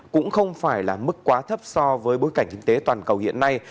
cũng không phải là mức quá thấp so với bối cảnh kinh tế toàn cầu hiện nay